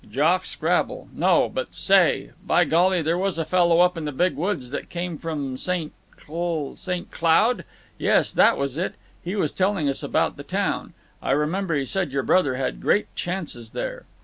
"Jock Scrabble—no, but say! By golly, there was a fellow up in the Big Woods that came from St. Cl—St. Cloud? Yes, that was it. He was telling us about the town. I remember he said your brother had great chances there."